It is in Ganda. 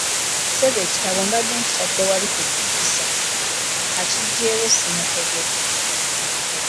Ssebo ekitabo mbadde nkitadde wali ku ddirisa, akiggyeewo simutegedde.